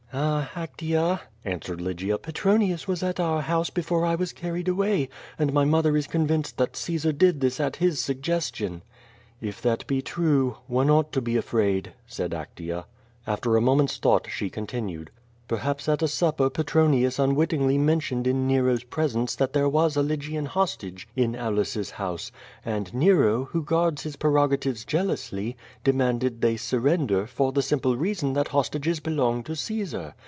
'' "Ah, Actea," answered Lygia, 'Tetronius was at our house before I was carried away, and my mother is convinced that Caesar did this at his suggestion." If that be true, one ought to be afraid," said Actea. After a moment's thought she continued: "Perhaps at a supper Petronius unwittingly mentioned in Nero's presence that there was a Lygian hostage in Aulus's house, and Nero, who guards his perogatives jealously, de manded they surrender, for the simple reason that hostages belong to Caesar.